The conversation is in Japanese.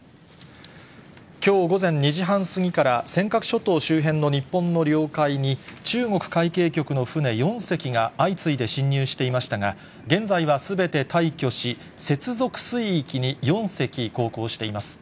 きょう午前２時半過ぎから、尖閣諸島周辺の日本の領海に、中国海警局の船４隻が相次いで侵入していましたが、現在はすべて退去し、接続水域に４隻航行しています。